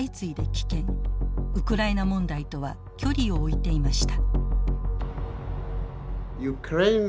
ウクライナ問題とは距離を置いていました。